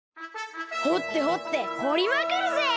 ほってほってほりまくるぜ！